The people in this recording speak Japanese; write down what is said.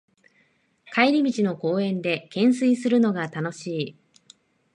帰り道の公園でけんすいするのが楽しい